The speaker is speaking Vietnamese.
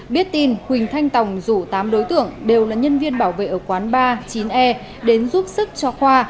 biết tin huỳnh thanh tòng rủ tám đối tượng đều là nhân viên bảo vệ ở quán ba mươi chín e đến giúp sức cho khoa